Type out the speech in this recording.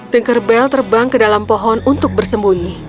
tinkerbell terbang ke dalam pohon untuk bersembunyi